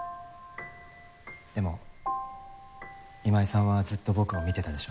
でも今井さんはずっと僕を見てたでしょ？